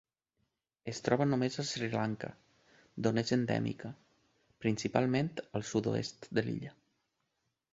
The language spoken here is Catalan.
Es troba només a Sri Lanka, d'on és endèmica, principalment al sud-oest de l'illa.